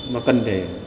mà cần để